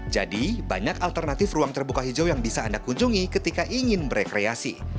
jadi banyak alternatif ruang terbuka hijau yang bisa anda kunjungi ketika ingin berekreasi